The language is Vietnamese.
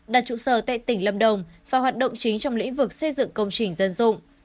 đặt trụ sở tại tỉnh lâm đồng và hoạt động chính trong lĩnh vực xây dựng công trình dân dụng